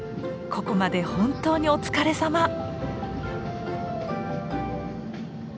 ここまで本当にお疲れさま。